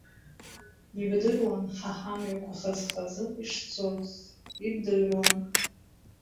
Ибдыруан ҳа ҳамҩақәа хазы-хаз ишцоз, ибдыруан…